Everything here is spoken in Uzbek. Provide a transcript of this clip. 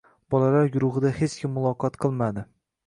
Bolalar guruhida hech kim muloqot qilmadi.